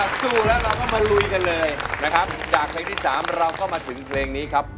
ถ้าสู้แล้วเราก็มาลุยกันเลยนะครับจากเพลงที่สามเราก็มาถึงเพลงนี้ครับ